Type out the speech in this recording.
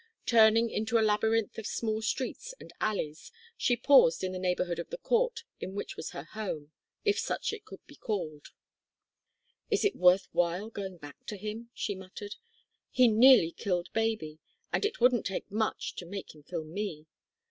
Turning into a labyrinth of small streets and alleys, she paused in the neighbourhood of the court in which was her home if such it could be called. "Is it worth while going back to him?" she muttered. "He nearly killed baby, and it wouldn't take much to make him kill me.